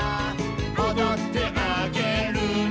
「おどってあげるね」